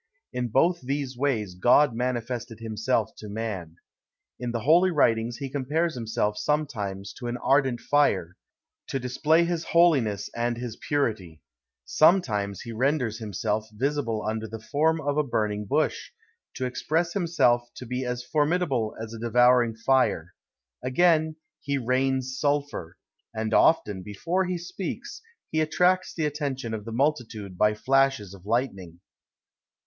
In both these ways God manifested himself to man. In the holy writings he compares himself sometimes to an ardent fire, to display his holiness and his purity; sometimes he renders himself visible under the form of a burning bush, to express himself to be as formidable as a devouring fire: again, he rains sulphur; and often, before he speaks, he attracts the attention of the multitude by flashes of lightning.